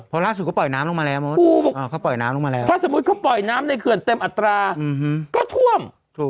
พอล่าสุดเขาก็ปล่อยน้ำลงมาแล้วเมาท์ถ้าสมมุติเขาปล่อยน้ำในเขือนเต็มอัตราก็ท่วม